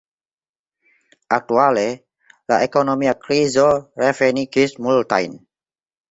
Aktuale, la ekonomia krizo revenigis multajn.